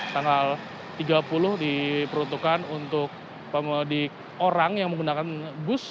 tanggal tiga puluh diperuntukkan untuk pemudik orang yang menggunakan bus